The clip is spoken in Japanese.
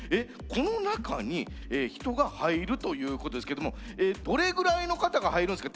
この中に人が入るということですけどもどれぐらいの方が入るんすか？